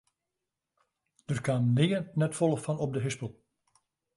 Dêr kaam nea net folle fan op de hispel.